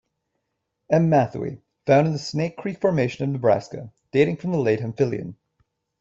"M. matthewi"-found in the Snake Creek Formation of Nebraska, dating from the late Hemphillian.